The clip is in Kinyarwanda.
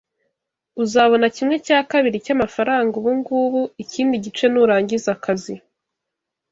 Uzabona kimwe cya kabiri cyamafaranga ubungubu, ikindi gice nurangiza akazi.